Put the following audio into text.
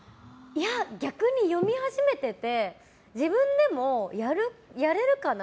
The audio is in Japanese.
逆に読み始めてて自分でもやれるかな？